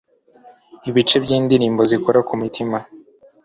Ibice byindirimbo zikora ku mutima